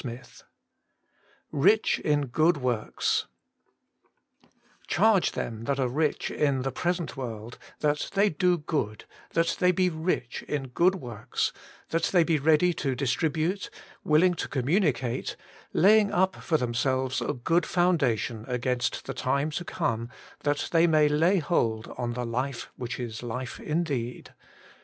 XVIII IRtcb in eoot> Merits * Charge them that are rich in the present world, that they do good, that they be rich in good works, that they be ready to distribute, will ing to communicate, laying up for themselves a good foundation against the time to come, that they may lay hold on the life which is life in deed.'